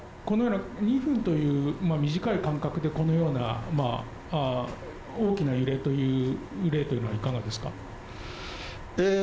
このような２分という短い間隔でこのような大きな揺れという例はいかがですか。